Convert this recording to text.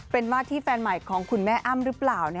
เป็นมาที่แฟนใหม่ของคุณแม่อ้ำหรือเปล่า